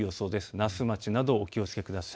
那須町などお気をつけください。